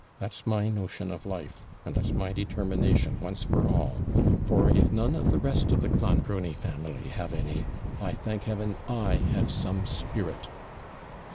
That's my notion of life; and that's my determination, once for all; for, if none of the rest of the Clonbrony family have any, I thank Heaven I have some spirit.'